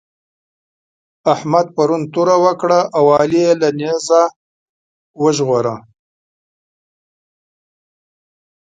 احمد پرون توره وکړه او علي يې له نېزه وژغوره.